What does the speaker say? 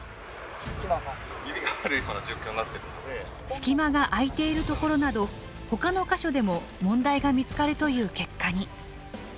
隙間が空いている所などほかの箇所でも問題が見つかるという結果に。